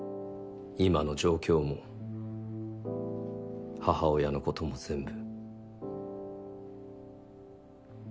今の状況も母親のことも全部。